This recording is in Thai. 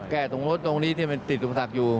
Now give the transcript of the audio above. แก้ตรงรถเมืองนี้ถิดสมศักดิ์อยู่